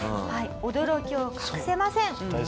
驚きを隠せません。